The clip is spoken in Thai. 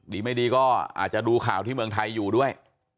ดีไม่ดีก็อาจจะดูข่าวที่เมืองไทยอยู่ด้วย